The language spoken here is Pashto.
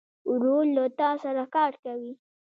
ورور له تا سره کار کوي.